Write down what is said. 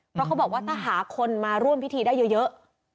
เพราะเขาบอกว่าถ้าหาคนมาร่วมพิธีได้เยอะ